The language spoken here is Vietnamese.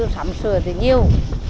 sắm sửa thì nhiều